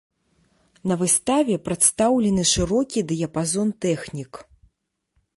На выставе прадстаўлены шырокі дыяпазон тэхнік.